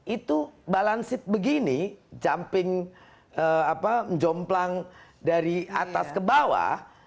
itu balancet begini jumping jomplang dari atas ke bawah